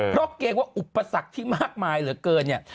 เพราะเกรงว่าอุปสรรคที่มากมายเหลือเกินเนี่ย